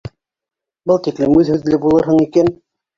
Был тиклем үҙ һүҙле булырһың икән!